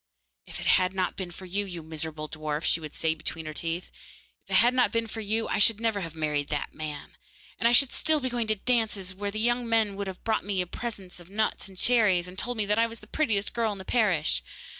'If it had not been for you, you miserable dwarf!' she would say between her teeth, 'if it had not been for you I should never have married that man, and I should still have been going to dances, where the young men would have brought me present of nuts and cherries, and told me that I was the prettiest girl in the parish.